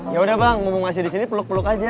ya udah bang mau ngasih di sini peluk peluk aja